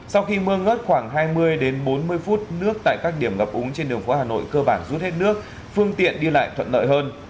sau khi mưa ngớt khoảng hai mươi đến bốn mươi phút nước tại các điểm ngập úng trên đường phố hà nội cơ bản rút hết nước phương tiện đi lại thuận lợi hơn